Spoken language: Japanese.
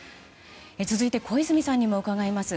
続いて、小泉さんにも伺います。